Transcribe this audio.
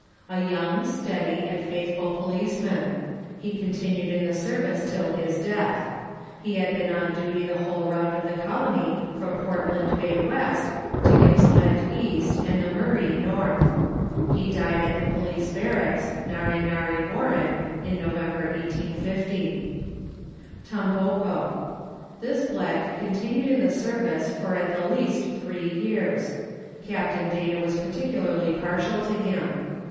A young, steady, and faithful policeman ; he con tinued in the service till his death. He had been on duty the whole round of the colony from Portland Bay west, to Gippsland east and the Murray north ; he died at the police barracks, Narre Narre Warren in November 1850. Tomboko. This black continued in the service for at the least three years ; Captain Dana was particularly partial to him.